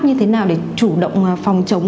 như thế nào để chủ động phòng chống